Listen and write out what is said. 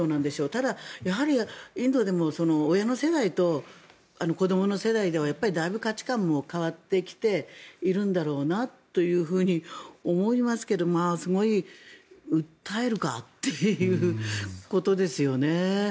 ただ、やはりインドでも親の世代と子どもの世代ではだいぶ価値観も変わってきているんだろうなと思いますがすごい訴えるかっていうことですよね。